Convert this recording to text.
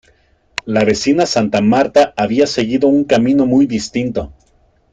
La vecina Santa Marta había seguido un camino muy distinto.